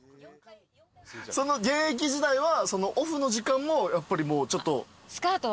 現役時代はオフの時間もやっぱりもうちょっと。